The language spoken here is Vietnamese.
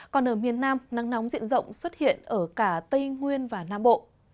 còn ở miền nam nắng nóng diện rộng xuất hiện ở cả tây nguyên và nam bộ